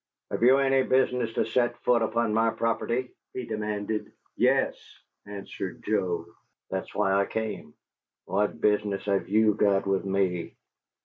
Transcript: "Have you any business to set foot upon my property?" he demanded. "Yes," answered Joe. "That's why I came." "What business have you got with me?"